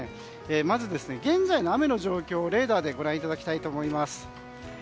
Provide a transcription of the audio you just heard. まず現在の雨の状況をレーダーでご覧いただきたいと思います。